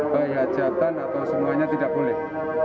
baik hajatan atau semuanya tidak boleh